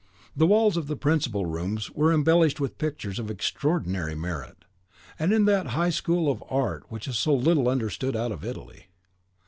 The walls of the principal rooms were embellished with pictures of extraordinary merit, and in that high school of art which is so little understood out of Italy.